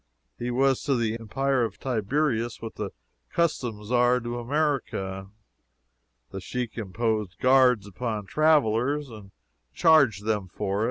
He was to the Empire of Tiberias what the customs are to America. The Sheik imposed guards upon travelers and charged them for it.